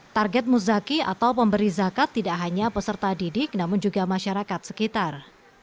target muzaki atau pemberi zakat tidak hanya peserta didik namun juga masyarakat sekitar